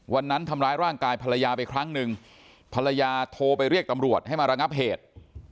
วันนั้นทำร้ายร่างกายภรรยาไปครั้งหนึ่งภรรยาโทรไปเรียกตำรวจให้มาระงับเหตุ